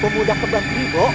pemuda kebang pribo